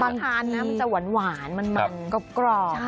มันถามนะมันจะหวานมันมันกรอบ